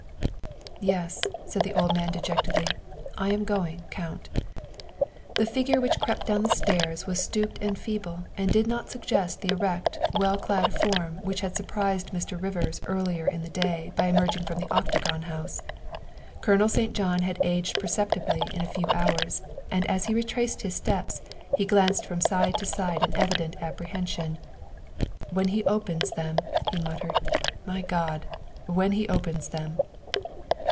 " Yes," said the old man dejectedly, "I'm going, Count." The figure which crept down the stairs was stooped and feeble and did not suggest the erect, well clad form which had surprised Mr. Rivers earlier in the day by emerging from the Octagon House. Colonel St. John had aged perceptibly in a few hours, and as he retraced his steps he glanced from side to side in evident appre hension. 11 When he opens them," he muttered, " my God! when he opens them